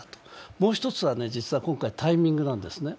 もう一つは今回、タイミングなんですね。